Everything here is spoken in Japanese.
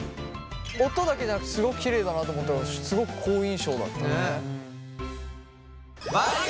音だけじゃなくてすごくきれいだなと思ったからすごく好印象だったね。